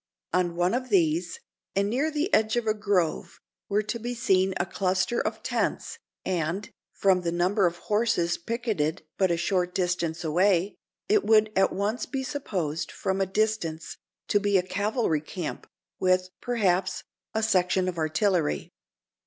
On one of these, and near the edge of a grove, were to be seen a cluster of tents, and, from the number of horses picketed but a short distance away, it would at once be supposed, from a distance, to be a cavalry camp, with, perhaps, a section of artillery.